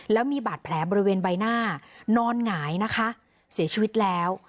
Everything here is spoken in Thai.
แล้วมีบาดแผลบริเวณใบหน้านอนหงายนะคะเสียชีวิตแล้ว